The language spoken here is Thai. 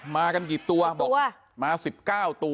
มากันกี่ตัวบอกว่ามา๑๙ตัว